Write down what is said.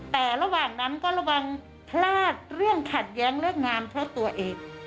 แต่ระหว่างนั้นก็ระวังพลาดเรื่องขัดแย้งเรื่องงานเพราะตัวเอง